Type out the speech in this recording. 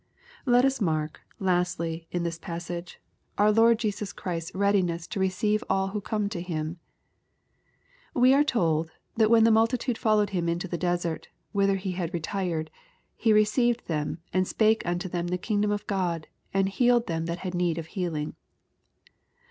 Let us marl^", lastly^ in this passage, our Lord Jesus 13* > 298 EXPOSITORY THOUGHTS. Christ's readiness to receive all who come to Him, We are told, that when the multitude followed Him into the desert, whither He had retired, " he received them, and spake unto them of the kingdom of God, and healed them that had need of healing."